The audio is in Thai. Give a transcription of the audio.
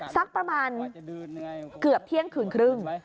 สักประมาณเกือบเที่ยงคืนครึ่ง